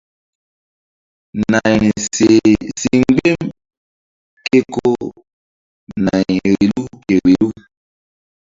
Nayri seh si mgbi̧m ke ko nay vbilu ke vbilu.